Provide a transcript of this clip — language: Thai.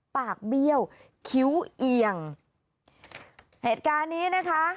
เบี้ยวคิ้วเอียงเหตุการณ์นี้นะคะ